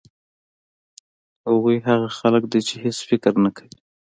هغوی هغه خلک دي چې هېڅ فکر نه کوي.